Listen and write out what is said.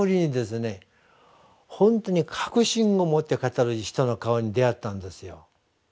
ほんとに確信を持って語る人の顔に出会ったんですよ。